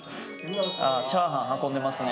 あぁチャーハン運んでますね。